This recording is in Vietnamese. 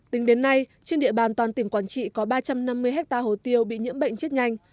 tính đến nay trên địa bàn toàn tỉnh quảng trị có ba trăm năm mươi hectare hồ tiêu bị nhiễm bệnh chết nhanh